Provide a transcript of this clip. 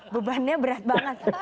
bebannya berat banget